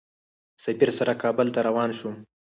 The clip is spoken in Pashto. سفیر سره کابل ته روان شوم.